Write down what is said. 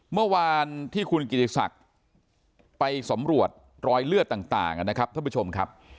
เมื่อวานที่คุณกิติศักดิ์ไปสำรวจรอยเลือดต่างนะครับท่านผู้ชมครับ